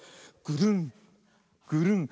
グルングルン。